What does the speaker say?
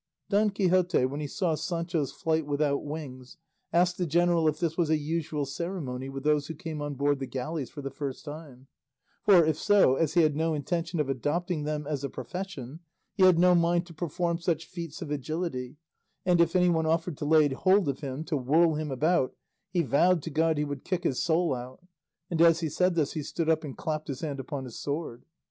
Don Quixote when he saw Sancho's flight without wings asked the general if this was a usual ceremony with those who came on board the galleys for the first time; for, if so, as he had no intention of adopting them as a profession, he had no mind to perform such feats of agility, and if anyone offered to lay hold of him to whirl him about, he vowed to God he would kick his soul out; and as he said this he stood up and clapped his hand upon his sword.